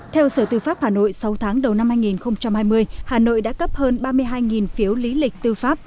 theo sở tư pháp hà nội sáu tháng đầu năm hai nghìn hai mươi hà nội đã cấp hơn ba mươi hai phiếu lý lịch tư pháp